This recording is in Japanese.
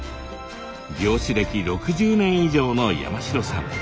漁師歴６０年以上の山城さん。